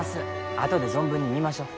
あとで存分に見ましょう。